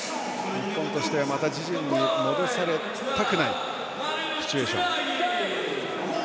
日本としてはまた自陣に戻されたくないシチュエーション。